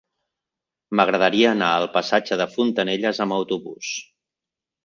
M'agradaria anar al passatge de Fontanelles amb autobús.